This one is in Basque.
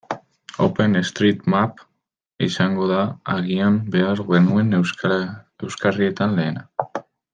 OpenStreetMap izango da agian behar genuen euskarrietan lehena.